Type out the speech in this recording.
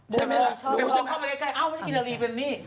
เจ้าเข้ามาไม่ใช่กิน่าลีเป็นนี่